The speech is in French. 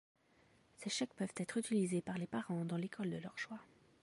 Ces chèques peuvent être utilisés par les parents dans l'école de leur choix.